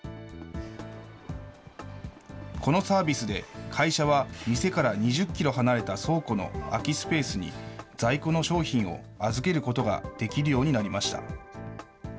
このサービスで、会社は店から２０キロ離れた倉庫の空きスペースに、在庫の商品を預けることができるようになりました。